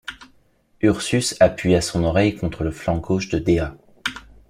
Ursus appuya son oreille contre le flanc gauche de Dea.